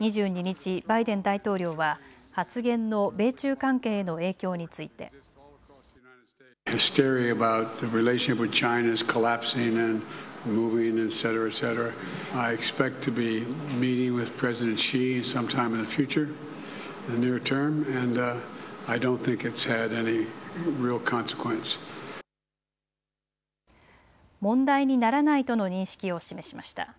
２２日、バイデン大統領は発言の米中関係への影響について。問題にならないとの認識を示しました。